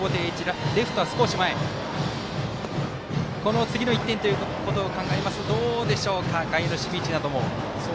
この次の１点ということを考えますとどうでしょうか外野の守備位置なども。